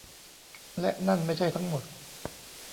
และนั่นไม่ใช่ทั้งหมด